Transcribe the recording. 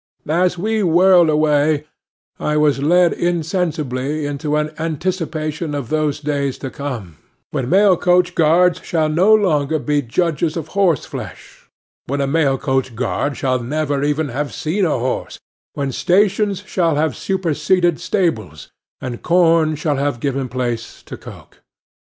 As we whirled away, I was led insensibly into an anticipation of those days to come, when mail coach guards shall no longer be judges of horse flesh—when a mail coach guard shall never even have seen a horse—when stations shall have superseded stables, and corn shall have given place to coke.